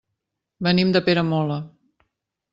Venim de Peramola.